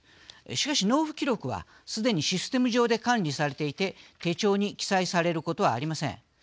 しかし、納付記録はすでにシステム上で管理されていて手帳に記載されることはありません。